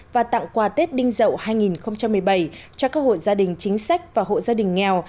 và tặng quà tết đinh dậu hai nghìn một mươi bảy cho các hộ gia đình chính sách và hộ gia đình nghèo